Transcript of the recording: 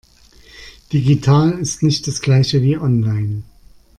Digital ist nicht das Gleiche wie online.